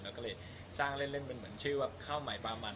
แล้วก็เลยสร้างเล่นเป็นเหมือนชื่อว่าข้าวใหม่ปลามัน